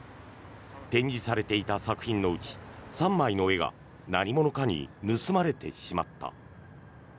展示されていた作品のうち３枚の絵が何者かに盗まれてしまった。